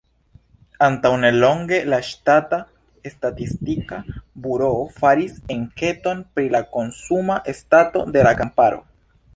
Antaŭnelonge la ŝtata statistika buroo faris enketon pri la konsuma stato de la kamparo.